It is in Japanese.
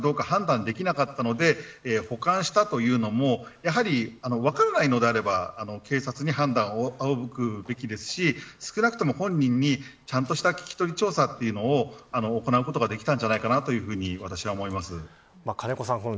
また植物砕片が大麻かどうか判断できなかったので保管したというのも分からないのであれば警察に判断を仰ぐべきですし少なくとも本人に、ちゃんとした聞き取り調査というものを行うことができたんじゃないかというふうに私は思います。